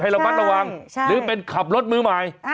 ให้เราปัดตำวังหรือเป็นขับรถมือใหม่